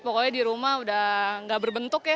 pokoknya di rumah udah gak berbentuk ya